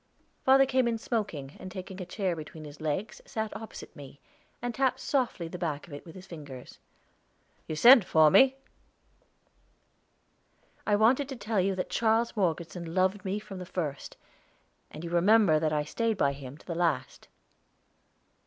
Father came in smoking, and taking a chair between his legs, sat opposite me, and tapped softly the back of it with his fingers. "You sent for me?" "I wanted to tell you that Charles Morgeson loved me from the first, and you remember that I stayed by him to the last."